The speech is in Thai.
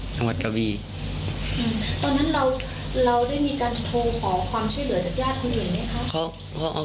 อืมตอนนั้นเราได้มีการโทรขอความช่วยเหลือจากญาติคนอื่นไหมคะ